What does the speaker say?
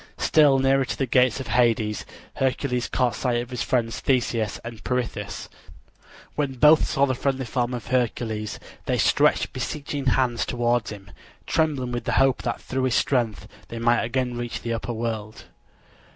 Still nearer to the gates of Hades Hercules caught sight of his friends Theseus and Pirithous. When both saw the friendly form of Hercules they stretched beseeching hands towards him, trembling with the hope that through his strength they might again reach the upper world.